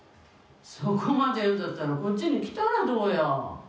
そこまで言うんだったらこっちに来たらどうよ？